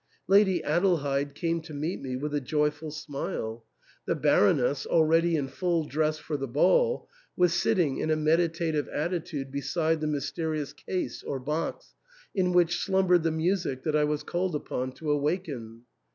Lady Adelheid came to meet me vrith a joyful smile. The Baroness, already in full dress for the ball, was sitting in a meditative attitude beside the mysterious case or box, in which slumbered the music that I was called upon to awaken.